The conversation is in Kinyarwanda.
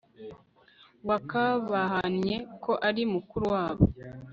uwakabahannye ko ari mukuru wabo